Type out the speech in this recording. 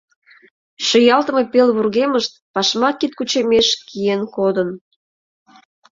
Шӱялтыме пел вургемышт пашма кидкучемеш киен кодын.